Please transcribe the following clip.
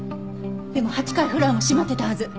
でも８階フロアも閉まっていたはず。